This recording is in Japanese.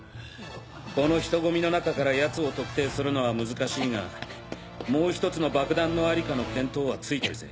この人混みの中から奴を特定するのは難しいがもう１つの爆弾の在りかの見当はついてるぜ。